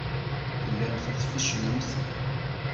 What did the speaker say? Tellamt tfecclemt.